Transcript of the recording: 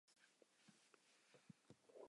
子荀逝敖。